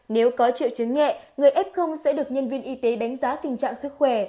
nếu có triệu chứng nhẹ người f sẽ được nhân viên y tế đánh giá tình trạng sức khỏe